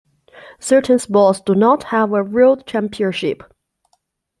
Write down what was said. Certain sports do not have a world championship.